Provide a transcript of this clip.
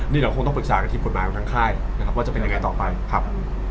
นี่เราคงต้องปรึกษากับทีมกฎหมายของทางค่ายนะครับว่าจะเป็นยังไงต่อไปครับ